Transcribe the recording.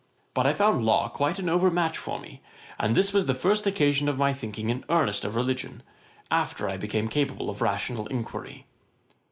But I found Law quite an overmatch for me; and this was the first occasion of my thinking in earnest of religion, after I became capable of rational inquiry.'